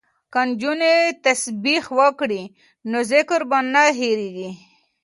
که نجونې تسبیح وکړي نو ذکر به نه هیریږي.